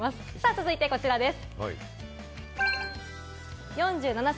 続いてはこちらです。